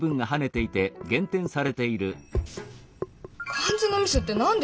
漢字のミスって何でよ！